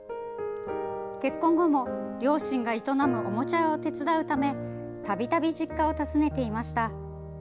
結婚後も、両親が営むおもちゃ屋を手伝うためたびたび実家を訪ねていました。